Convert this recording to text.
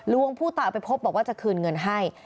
ผู้ตายไปพบบอกว่าจะคืนเงินให้